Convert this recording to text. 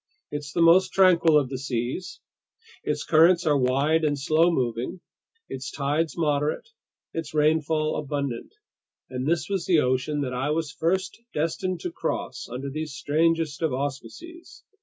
It's the most tranquil of the seas; its currents are wide and slow moving, its tides moderate, its rainfall abundant. And this was the ocean that I was first destined to cross under these strangest of auspices.